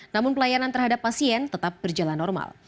namun pelayanan terhadap pasien tetap berjalan normal